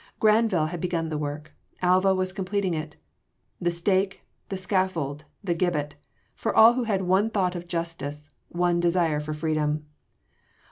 Granvelle had begun the work, Alva was completing it! The stake, the scaffold, the gibbet for all who had one thought of justice, one desire for freedom.